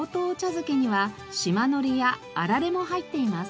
漬けには島のりやあられも入っています。